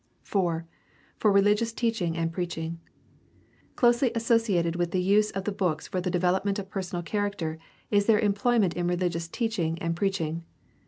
4. For religious teaching and preaching. — Closely associ ated with the use of the books for the development of personal character is their employment in rehgious teaching and preach ing.